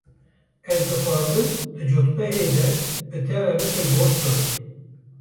Ez dixwazim di cotmehê de bi te re biçim Bostonê.